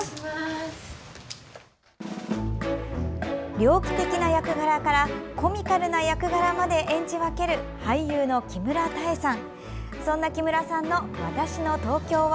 猟奇的な役柄からコミカルな役柄まで演じ分ける俳優の木村多江さん。